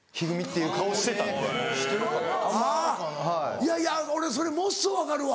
いやいや俺それものすごい分かるわ。